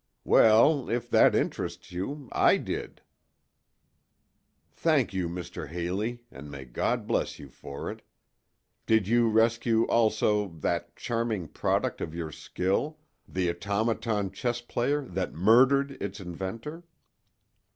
"Well, if that interests you—I did." "Thank you, Mr. Haley, and may God bless you for it. Did you rescue, also, that charming product of your skill, the automaton chess player that murdered its inventor?"